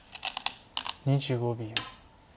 ２５秒。